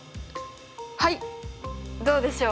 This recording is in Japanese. はいどうでしょう？